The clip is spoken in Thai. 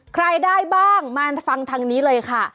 ใครได้บ้างมาฟังทางนี้เลยค่ะ